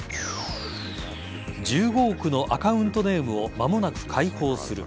１５億のアカウントネームも間もなく解放する。